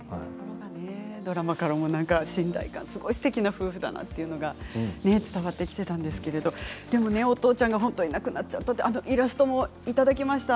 ドラマからも信頼感すごくすてきな夫婦だなということが伝わってきていたんですけどお父ちゃんが亡くなってしまってイラストもいただきました。